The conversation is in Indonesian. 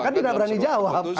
kan tidak berani jawab